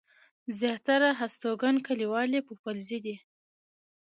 زياتره هستوګن کلیوال يې پوپلزي دي.